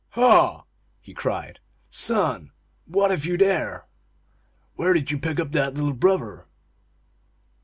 " Ha !" he cried. " Son, what have you there ? Where did you pick up that little brother